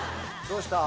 どうした？